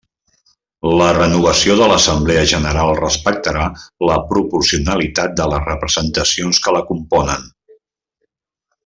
La renovació de l'assemblea general respectarà la proporcionalitat de les representacions que la componen.